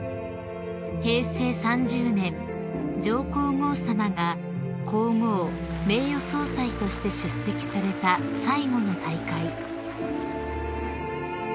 ［上皇后さまが皇后名誉総裁として出席された最後の大会］